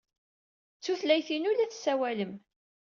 D tutlayt-inu ay la tessawalem.